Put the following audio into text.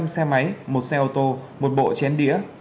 một mươi năm xe máy một xe ô tô một bộ chén đĩa